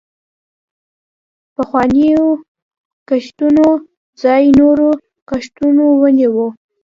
پخوانیو کښتونو ځای نورو کښتونو ونیوه.